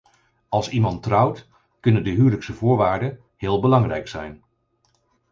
Als iemand trouwt kunnen de huwelijkse voorwaarden heel belangrijk zijn.